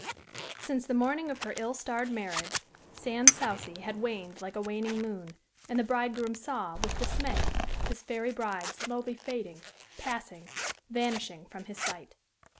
Since the morning of her ill starred marriage, Sans Souci had waned like a waning moon; and the bridegroom saw, with dismay, his fairy bride slowly fading, passing, vanishing from his sight.